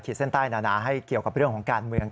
เส้นใต้นาให้เกี่ยวกับเรื่องของการเมือง